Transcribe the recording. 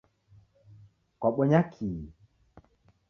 Kwabonya kii?